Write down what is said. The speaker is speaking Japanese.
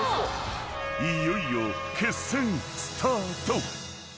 ［いよいよ決戦スタート］